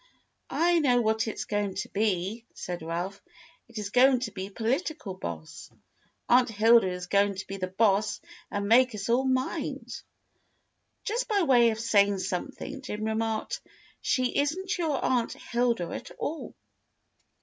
"I know what it is going to be," said Ralph. "It is going to be 'Political Boss.' Aunt Hilda is going to be the boss and make us all mind." Just by way of saying something Jim remarked, "She is n't your Aunt Hilda at all."